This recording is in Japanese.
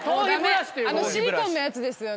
あのシリコンのやつですよね。